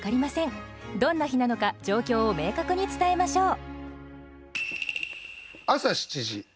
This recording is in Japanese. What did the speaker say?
どんな日なのか状況を明確に伝えましょう。